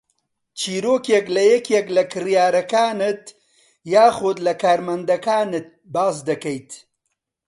چیرۆکێک لە یەکێک لە کڕیارەکانت یاخوود لە کارمەندەکانت باس دەکەیت